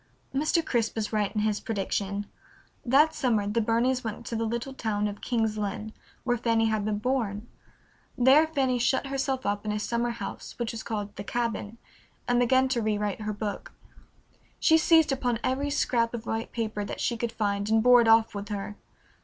Mr. Crisp was right in his prediction. That summer the Burneys went to the little town of King's Lynn, where Fanny had been born. There Fanny shut herself up in a summer house which was called "The Cabin," and began to rewrite her book. She seized upon every scrap of white paper that she could find and bore it off with her.